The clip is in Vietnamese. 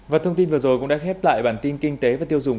và thông tin vừa rồi cũng đã khép lại bản tin kinh tế và tiêu dùng